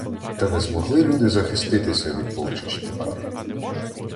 Та не змогли люди захиститися від полчищ татар.